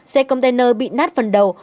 xe container bị nát phần đầu